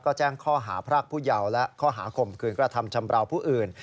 ก็แจ้งข้อหาพรากผู้เยาว์และข้อหาข่มขืนกระทำชำราวผู้อื่น